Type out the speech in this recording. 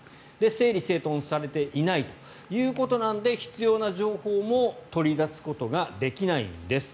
整理整頓されていないということなので必要な情報も取り出すことができないんです。